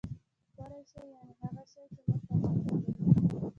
ښکلی شي یعني هغه شي، چي موږ ته خوند راکوي.